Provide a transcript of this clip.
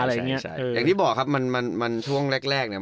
อะไรอย่างเงี้ยใช่อย่างที่บอกครับมันมันมันช่วงแรกแรกเนี้ย